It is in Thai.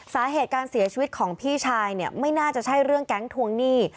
สาเหตุการเสียชีวิตของพี่ชายเนี่ยไม่น่าจะใช่เรื่องแก๊งทวงหนี้